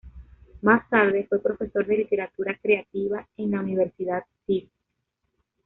Más tarde fue profesor de literatura creativa en la Universidad Fisk.